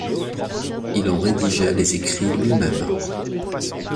Il en rédigea les écrits lui-même.